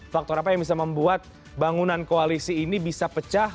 faktor apa yang bisa membuat bangunan koalisi ini bisa pecah